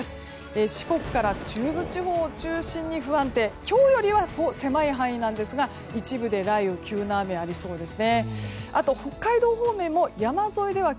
四国から中部地方を中心に不安定で今日よりは狭い範囲ですが一部で雷雨急な雨ありそうですね。